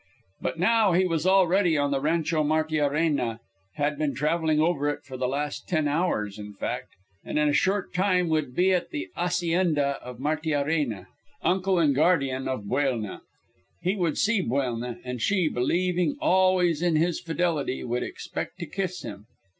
But now he was already on the Rancho Martiarena (had been traveling over it for the last ten hours, in fact), and in a short time would be at the hacienda of Martiarena, uncle and guardian of Buelna. He would see Buelna, and she, believing always in his fidelity, would expect to kiss him.